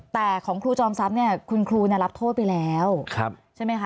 แต่ของครูจอมทรัพย์เนี่ยคุณครูรับโทษไปแล้วใช่ไหมคะ